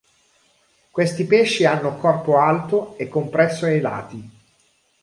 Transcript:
Questi pesci hanno corpo alto e compresso ai lati.